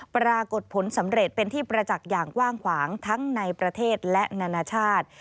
ปรากฏผลสำเร็จเป็นที่ประจักษ์อย่างกว้างขวางทั้งในประเทศและนานาชาติ